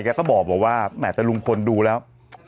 ก็บอกว่าแหมแต่ลุงพลดูแล้ว